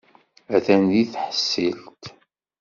Atan deg tḥeṣṣilt.